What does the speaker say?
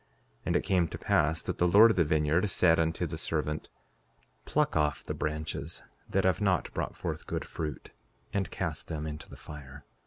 5:26 And it came to pass that the Lord of the vineyard said unto the servant: Pluck off the branches that have not brought forth good fruit, and cast them into the fire.